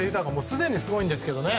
すでにすごいんですけどね。